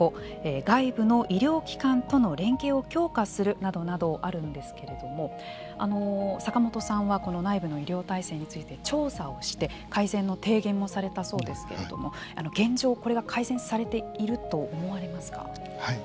外部の医療機関との連携を強化するなどなどあるんですけれども坂元さんはこの内部の医療体制について調査をして改善の提言もされたそうですけれども現状、これが改善されていると思われますか。